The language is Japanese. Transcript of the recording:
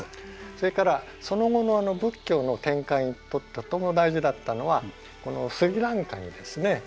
それからその後の仏教の展開にとても大事だったのはこのスリランカにですね